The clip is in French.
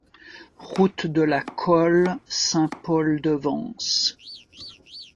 Route de la Colle, Saint-Paul-de-Vence